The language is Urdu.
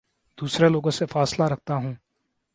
دوسرے لوگوں سے فاصلہ رکھتا ہوں